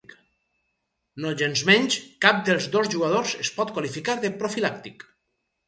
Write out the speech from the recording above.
Nogensmenys, cap dels dos jugadors es pot qualificar de profilàctic.